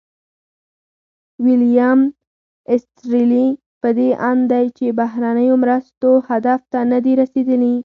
ویلیم ایسټیرلي په دې اند دی چې بهرنیو مرستو هدف ته نه دي رسیدلي.